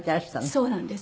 そうなんです。